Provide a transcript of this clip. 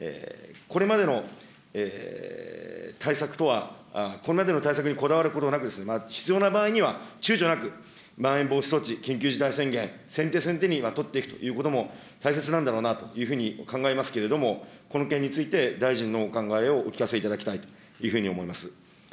これまでの対策とは、これまでの対策にこだわることなく、必要な場合には、ちゅうちょなくまん延防止措置、緊急事態宣言、先手先手には、取っていくということも、大切なんだろうなというふうに考えますけれども、この件について、大臣のお考えをお聞かせいただきたいというふうに思います。